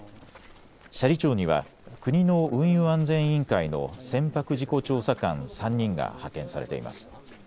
斜里町には国の運輸安全委員会の船舶事故調査官３人が派遣されています。